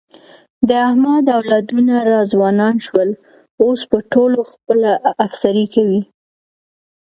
د احمد اولادونه را ځوانان شول، اوس په ټولو خپله افسري کوي.